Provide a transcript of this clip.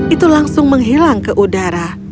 itu langsung menghilang ke udara